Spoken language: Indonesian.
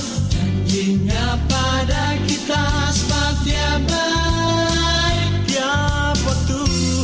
dan hingga pada kita sebab tiap baik tiap waktu